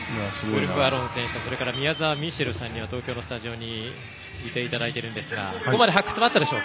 ウルフアロンさんと宮澤ミシェルさんには東京のスタジオにきていただいてるんですが。